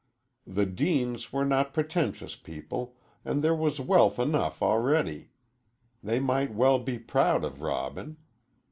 The Deanes were not pretentious people, and there was wealth enough already. They might well be proud of Robin.